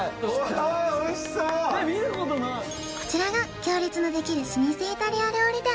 うわっ見たことないこちらが行列のできる老舗イタリア料理店